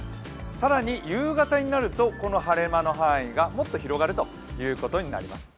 更に夕方になると、この晴れ間の範囲がもっと広がるということになります。